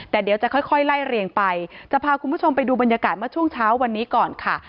แต่เดี๋ยวจะค่อยไล่เรียงไปจะพาคุณผู้ชมไปดูบรรยากาศเมื่อช่วงเช้าวันนี้ก่อนค่ะ